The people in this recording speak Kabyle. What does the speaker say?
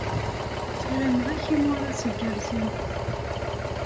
Ssarameɣ-ak imuras igerrzen.